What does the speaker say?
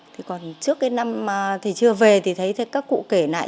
thì còn trước cái năm mà thầy chưa về thì thấy các cụ kể này